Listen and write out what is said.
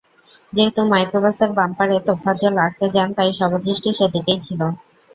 যেহেতু মাইক্রোবাসের বাম্পারে তোফাজ্জল আটকে যান, তাই সবার দৃষ্টি সেদিকেই ছিল।